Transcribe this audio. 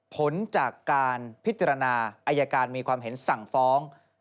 ผลจากการพิจารณาอายการมีความเห็นสั่งฟ้อง